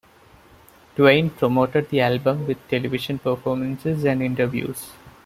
Twain promoted the album with television performances and interviews.